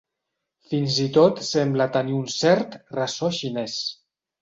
Fins i tot sembla tenir un cert ressò xinès.